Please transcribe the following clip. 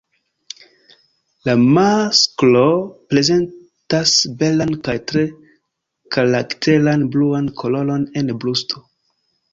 La masklo prezentas belan kaj tre karakteran bluan koloron en brusto.